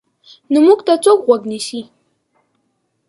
نه موږ ته څوک غوږ نیسي.